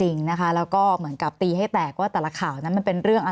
มีความรู้สึกว่ามีความรู้สึกว่ามีความรู้สึกว่า